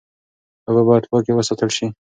اوبه باید پاکې وساتل شي.